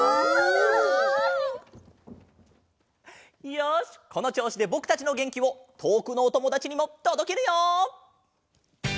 よしこのちょうしでぼくたちのげんきをとおくのおともだちにもとどけるよ！